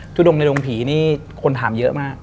งในดงผีนี่คนถามเยอะมาก